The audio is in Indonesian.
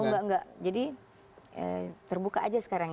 oh enggak enggak jadi terbuka aja sekarang ya